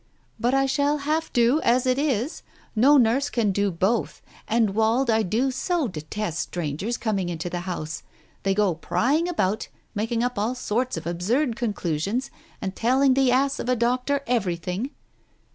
"But I shall have to as it is. No nurse can do^both. And, Wald, I do so detest strangers coming into the house 1 They go prying about, making up all sorts of absurd conclusions and telling the ass of a doctor every thing.